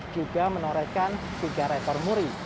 juga menorehkan tiga rekor muri